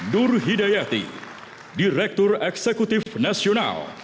nur hidayati direktur eksekutif nasional